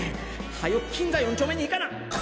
はよ錦座４丁目に行かな！